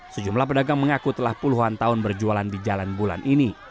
sejumlah pedagang mengaku telah puluhan tahun berjualan di jalan bulan ini